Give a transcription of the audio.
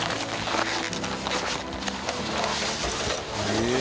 へえ。